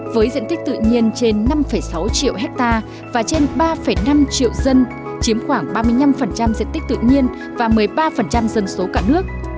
với diện tích tự nhiên trên năm sáu triệu hectare và trên ba năm triệu dân chiếm khoảng ba mươi năm diện tích tự nhiên và một mươi ba dân số cả nước